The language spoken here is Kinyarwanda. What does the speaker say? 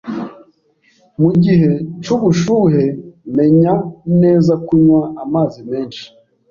Mugihe c'ubushuhe, menya neza kunywa amazi menshi.